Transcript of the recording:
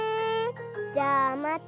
じゃあまったね！